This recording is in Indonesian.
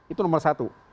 itu nomor satu